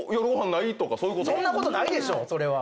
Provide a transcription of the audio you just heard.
そんなことないでしょ！